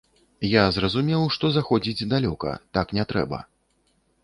Я зразумеў, што заходзіць далёка, так не трэба.